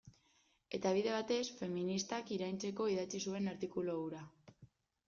Eta bide batez, feministak iraintzeko idatzi zuen artikulu hura.